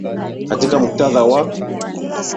katika mkutadha wa wa